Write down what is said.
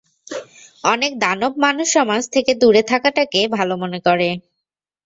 অনেক দানব মানবসমাজ থেকে দুরে থাকাটাকে ভালো মনে করে।